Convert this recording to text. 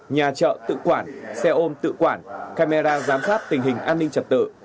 nhà trợ tự quản xe ôm tự quản camera giám sát tình hình an ninh trật tự